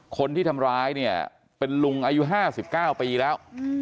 คนที่ทำร้ายเนี่ยเป็นลุงอายุ๕๙ปีแล้ว